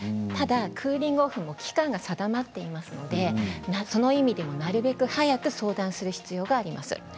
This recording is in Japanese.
ただクーリング・オフも期間が定まっていますのでその意味でも、なるべく早く相談する必要があります。